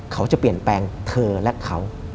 เขาจะเปลี่ยนแปลงเธอและเขา